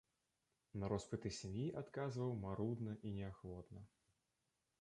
На роспыты сям'і адказваў марудна і неахвотна.